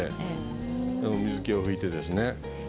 水けを抜いてですね。